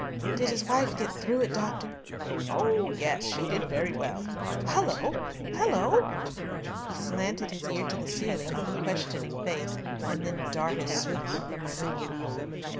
"Did his wife get through it, doctor?" "Oh yes, she did very well. Hullo! hullo!" He slanted his ear to the ceiling with a questioning face, and then darted swiftly from the room.